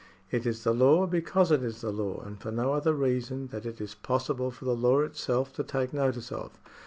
It is the law because it is the law, and for no other reason that it is possible for the law itself to take notice of.